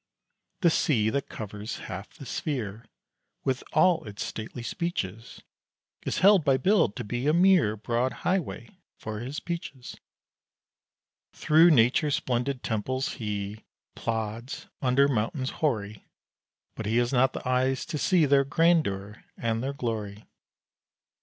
The sea that covers half the sphere, With all its stately speeches, Is held by Bill to be a mere Broad highway for his peaches. Through Nature's splendid temples he Plods, under mountains hoary; But he has not the eyes to see Their grandeur and their glory.